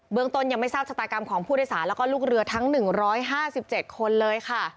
ต้นยังไม่ทราบชะตากรรมของผู้โดยสารแล้วก็ลูกเรือทั้ง๑๕๗คนเลยค่ะ